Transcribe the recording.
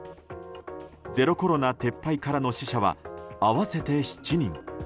ゼロコロナ撤廃からの死者は合わせて７人。